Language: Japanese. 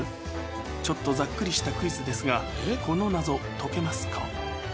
ちょっとざっくりしたクイズですがこの謎解けますか？